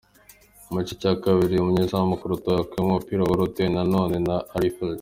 Mu gice cya kabiri, umunyezamu Courtois yakuyemo umupira wari utewe na none na Arfield.